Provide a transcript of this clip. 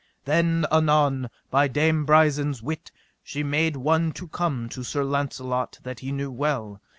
Then anon by Dame Brisen's wit she made one to come to Sir Launcelot that he knew well.